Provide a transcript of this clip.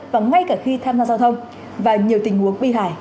và ngay cả khi tham gia giao thông và nhiều tình huống bi hài